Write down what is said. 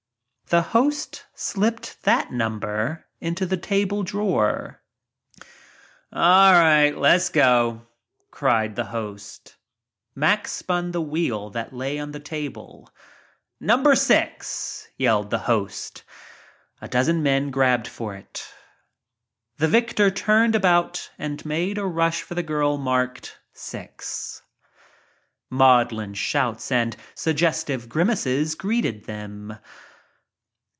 The host slipped that number into the table drawer. "A writ lesgo," cried the host. Mack spun the wheel that lay on the table. "Number 6," yelled the host, A dozen men grabbed for it. The victor turned about and made a rush for the girl marked "6." Maudlin shouts and suggestive grimaces greeted them.